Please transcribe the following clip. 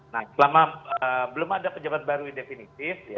nah selama belum ada pejabat baru yang definitif